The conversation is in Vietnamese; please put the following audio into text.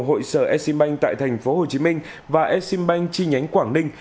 hội sở exim bank tại tp hcm và exim bank chi nhánh quảng ninh